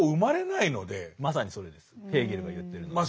ヘーゲルが言ってるのはね。